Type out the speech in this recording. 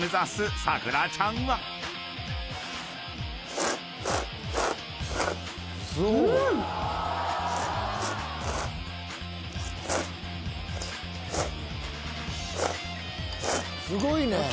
すごいね！